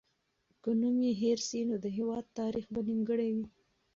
که نوم یې هېر سي، نو د هېواد تاریخ به نیمګړی وي.